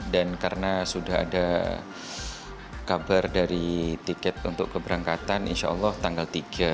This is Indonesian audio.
dan karena sudah ada kabar dari tiket untuk keberangkatan insya allah tanggal tiga